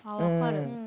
うん。